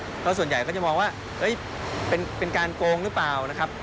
เพราะส่วนใหญ่ก็จะมองว่าเป็นการโกงหรือเปล่านะครับ